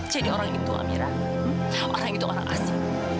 jadi orang itu amirah orang itu orang asli